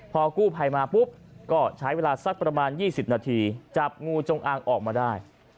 พอกู้ภัยมาปุ๊บก็ใช้เวลาสักประมาณ๒๐นาทีจับงูจงอางออกมาได้